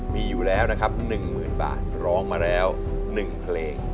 มีอยู่แล้วนะครับหนึ่งหมื่นบาทร้องมาแล้วหนึ่งเพลง